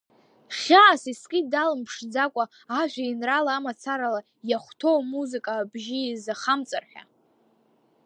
Хьаас искит даламԥшӡакәа ажәеинраала амацарала иахәҭоу амузыка абжьы изахамҵар ҳәа.